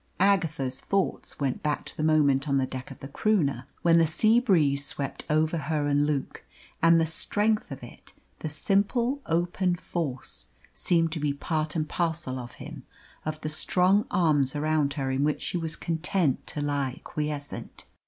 Agatha's thoughts went back to the moment on the deck of the Croonah, when the sea breeze swept over her and Luke, and the strength of it, the simple, open force, seemed to be part and parcel of him of the strong arms around her in which she was content to lie quiescent.